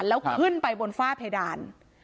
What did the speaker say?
แล้วขึ้นไปบนฝ้าเพดาน